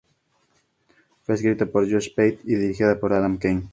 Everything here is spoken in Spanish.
Fue escrito por Josh Pate y dirigido por Adam Kane.